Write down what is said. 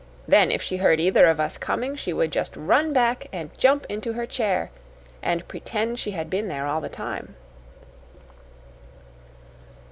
Then if she heard either of us coming, she would just run back and jump into her chair and pretend she had been there all the time."